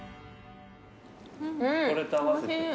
これと合わせて。